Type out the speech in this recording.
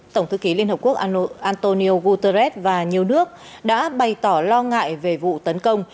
tổng thư ký liên hợp quốc antonio guterres và nhiều nước đã bày tỏ lo ngại về vụ tấn công